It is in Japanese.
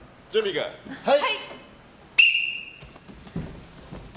はい！